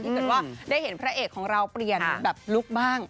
ถ้าเกิดว่าได้เห็นพระเอกของเราเปลี่ยนแบบลุคบ้าง